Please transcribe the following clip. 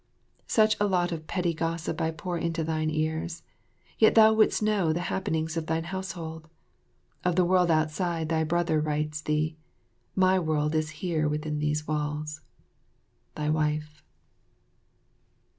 Such a lot of petty gossip I pour into thine ears, yet thou wouldst know the happenings of thine household. Of the world outside, thy brother writes thee. My world is here within these walls. Thy Wife.